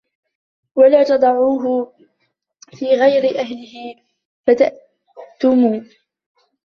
وَلَا تَضَعُوهُ فِي غَيْرِ أَهْلِهِ فَتَأْثَمُوا